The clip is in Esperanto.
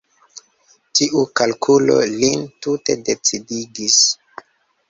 Tiu kalkulo lin tute decidigis.